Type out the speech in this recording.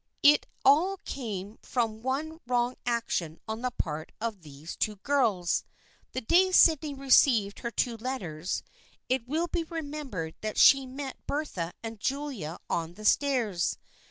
It all came from one wrong action on the part of these two girls. The day Sydney received her two letters, it will be remembered that she met Bertha and Julia on the stairs.